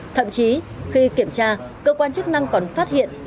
thậm chí khi kiểm tra cơ quan chức năng còn phát hiện